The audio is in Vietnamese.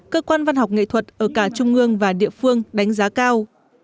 cơ quan văn học nghệ thuật ở cả trung ương và địa phương đánh giá cao